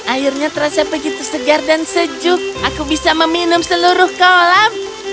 airnya terasa begitu segar dan sejuk aku bisa meminum seluruh kolam